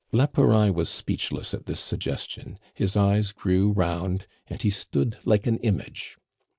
La Pouraille was speechless at this suggestion; his eyes grew round, and he stood like an image.